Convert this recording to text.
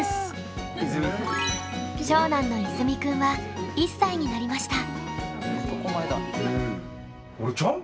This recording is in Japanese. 長男の緯泉くんは１歳になりました。